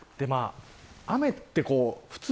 雨って普通